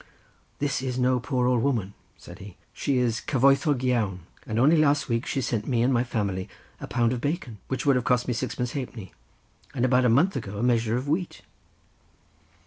"This is no poor old woman," said he, "she is cyfoethawg iawn, and only last week she sent me and my family a pound of bacon, which would have cost me sixpence halfpenny, and about a month ago a measure of wheat."